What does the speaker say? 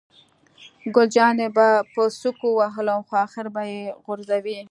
ګل جانې په سوک ووهلم، خو آخر به یې غورځوي.